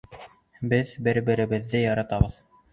Беҙ бер-беребеҙҙе яратабыҙ.